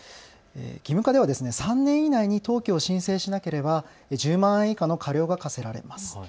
義務化では３年以内に登記を申請しなければ１０万円以下の過料が科せられます。